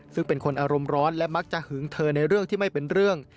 ซึ่งเป็นคนอารมณ์ร้อนและมักจะหึงเธอในเรื่องที่ไม่เป็นเรื่อง